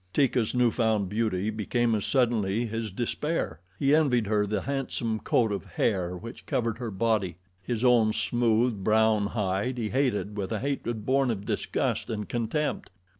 Teeka's new found beauty became as suddenly his despair. He envied her the handsome coat of hair which covered her body. His own smooth, brown hide he hated with a hatred born of disgust and contempt.